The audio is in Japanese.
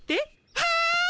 はい。